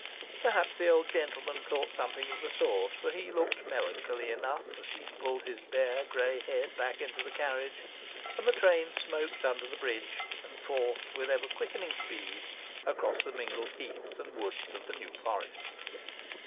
Perhaps the old gentleman thought something of the sort, for he looked melancholy enough as he pulled his bare, grey head back into the carriage, and the train smoked under the bridge, and forth, with ever quickening speed, across the mingled heaths and woods of the New Forest.